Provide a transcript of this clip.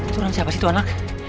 seorang siapa sih itu anak